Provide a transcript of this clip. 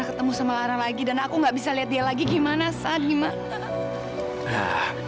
aku mau sama lara lagi dan aku gak bisa lihat dia lagi gimana sa gimana